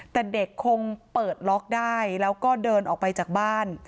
แต่เด็กคงเปิดล็อกได้แล้วก็เดินออกไปจากบ้าน